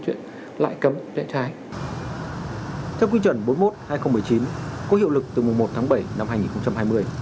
theo quy truẩn bốn mươi một hai nghìn một mươi chín có hiệu lực từ mùa một tháng bảy năm hai nghìn hai mươi